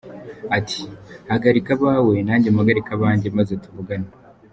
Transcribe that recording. ati “Hagarika abawe nanjye mpagarike abanjye maze tuvugane”.